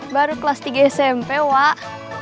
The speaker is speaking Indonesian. baru kelas tiga smp wah